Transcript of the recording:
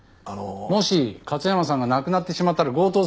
もし勝山さんが亡くなってしまったら強盗殺人。